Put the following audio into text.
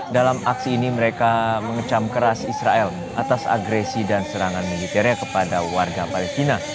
dalam aksi ini mereka mengecam keras israel atas agresi dan serangan militernya kepada warga palestina